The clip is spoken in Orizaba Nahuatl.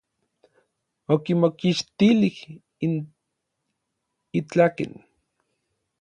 Okimokixtilij n itlaken.